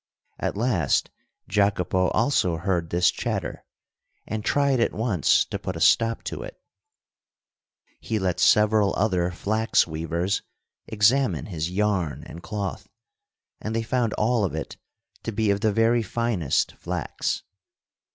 At last Jacopo also heard this chatter, and tried at once to put a stop to it. He let several other flax weavers examine his yarn and cloth, and they found all of it to be of the very finest flax.